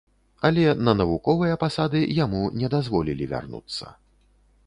Але на навуковыя пасады яму не дазволілі вярнуцца.